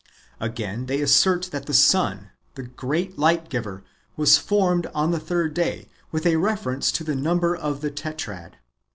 Again, they assert that the sun, the great light giver, was formed on the fourth da}^, with a reference to the number of the Tetrad.